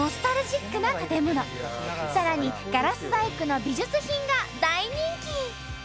さらにガラス細工の美術品が大人気！